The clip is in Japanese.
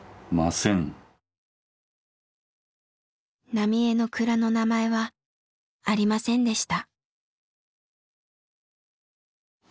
浪江の蔵の名前はありませんでした。